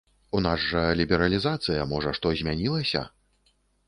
У нас жа лібералізацыя, можа што змянілася?